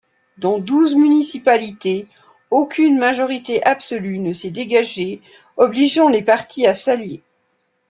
Dans douze municipalités, aucune majorité absolue ne s'est dégagée obligeant les partis à s'allier.